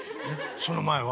その前は？